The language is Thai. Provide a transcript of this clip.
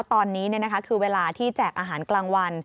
ตอนนี้คือเวลาที่แจกอาหารกลางวัน